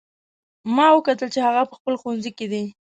ما وکتل چې هغه په خپل ښوونځي کې ده